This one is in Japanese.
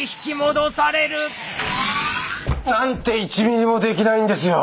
１ミリもできないんですよ！